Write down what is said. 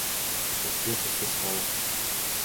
Přesně to se stalo.